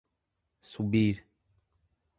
subir